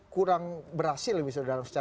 kurang berhasil misalnya dalam